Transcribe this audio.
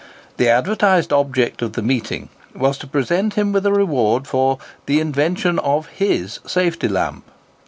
The advertised object of the meeting was to present him with a reward for "the invention of his safety lamp."